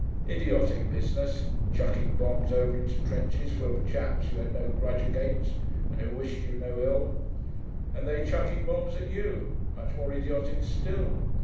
Idiotic business, chucking bombs over into trenches full of chaps you had no grudge against and who wished you no ill ... and they chucking bombs at you, much more idiotic still.